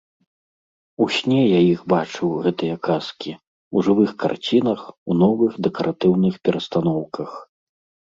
У сне я іх бачыў, гэтыя казкі, у жывых карцінах, у новых дэкаратыўных перастаноўках.